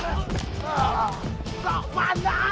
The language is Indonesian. sekarang kalau yang saya